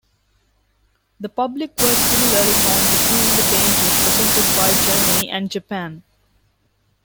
The public was similarly torn between the dangers presented by Germany and Japan.